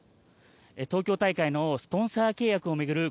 東京大会のスポンサー契約を巡る